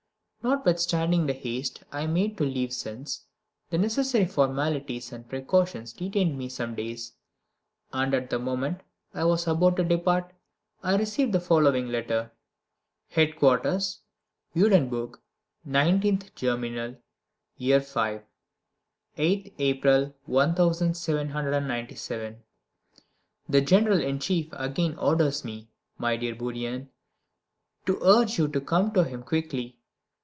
Notwithstanding the haste I made to leave Sens, the necessary formalities and precautions detained me some days, and at the moment I was about to depart I received the following letter: HEADQUARTERS, JUDENBOURG, 19th Germinal, Year V. (8th April 1797). The General in Chief again orders me, my dear Bourrienne, to urge you to come to him quickly.